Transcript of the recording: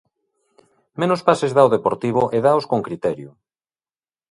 Menos pases dá o Deportivo e dáos con criterio.